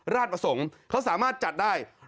ราชประสงค์เขาสามารถจัดได้